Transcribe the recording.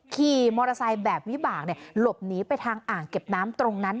ขี่มอเตอร์ไซค์แบบวิบากหลบหนีไปทางอ่างเก็บน้ำตรงนั้น